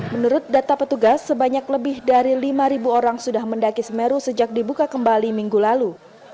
menurut data petugas sebanyak lebih dari lima orang sudah mendaki semeru sejak dibuka kembali minggu lalu